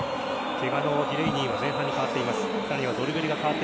ケガのディレイニーは前半に代わっています。